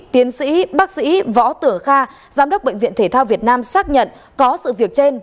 tiến sĩ bác sĩ võ tử kha giám đốc bệnh viện thể thao việt nam xác nhận có sự việc trên